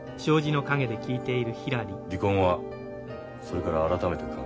離婚はそれから改めて考えよう。